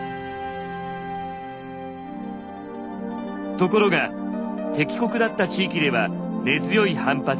ところが敵国だった地域では根強い反発に直面。